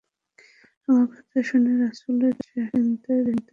আমার কথা শুনে রাসূলের চেহারায় চিন্তার রেখা ফুটে উঠল।